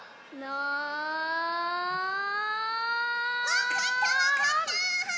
わかったわかった！